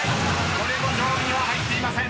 これも上位には入っていません］